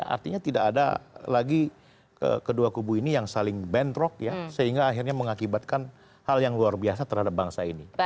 artinya tidak ada lagi kedua kubu ini yang saling bentrok ya sehingga akhirnya mengakibatkan hal yang luar biasa terhadap bangsa ini